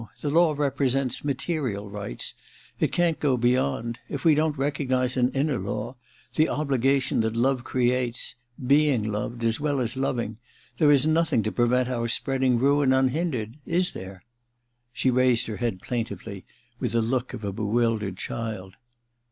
The law represents material rights — it can't go beyond. If we don't recognize an inner law ... the obligation that love creates ... being loved as well as loving ... there is nothing to prevent our spreading ruin un hindered ... is there ?' She raised her head plaintively, with the look of a bewildered child.